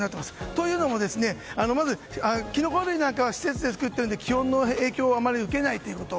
というのもまずキノコ類なんかは施設で作っているので気温の影響をあまり受けないということ。